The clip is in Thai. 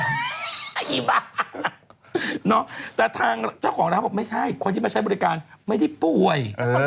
ไอ้บ้าแต่ทางเจ้าของร้านบอกไม่ใช่คนที่มาใช้บริการไม่ได้ป่วย